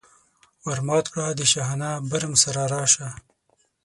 ور مات کړه د شاهانه برم سره راشه.